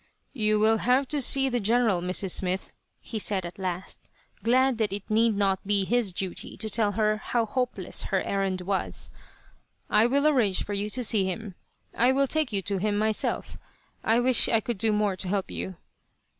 "You will have to see the General, Mrs. Smith," he said at last, glad that it need not be his duty to tell her how hopeless her errand was. "I will arrange for you to see him. I will take you to him myself. I wish I could do more to help you."